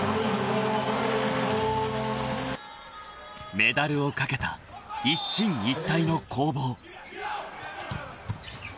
［メダルを懸けた一進一退の攻防］